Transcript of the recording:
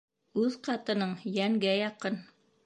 Үҙ ҡатының йәнгә яҡын.